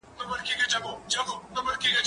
کېدای سي کالي لمد وي؟!